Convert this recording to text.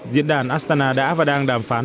diễn đàn astana đã và đang đàm phán